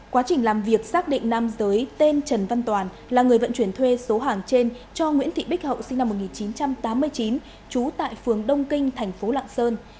quá trình làm việc xác định nam giới tên trần văn toàn là người vận chuyển thuê số hàng trên cho nguyễn thị bích hậu sinh năm một nghìn chín trăm tám mươi chín trú tại phường đông kinh thành phố lạng sơn